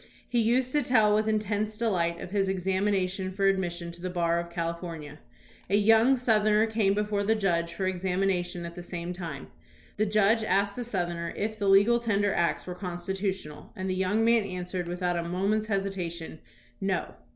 He used to tell with intense delight of his examination for admission to the bar of California. A young Southerner came before the judge for examina tion at the same time. The judge asked the Southerner if the legal tender acts were constitutional, and the young man answered without a moment's hesitation, "No."